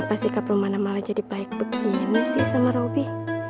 kenapa sikap rum mana malah jadi baik begini sih sama robby